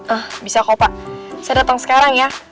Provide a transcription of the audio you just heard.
ah bisa kok pak saya datang sekarang ya